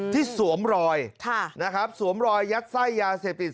สวมรอยนะครับสวมรอยยัดไส้ยาเสพติด